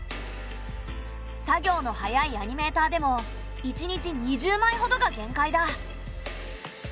作業の早いアニメーターでも１日２０枚ほどが限界だ。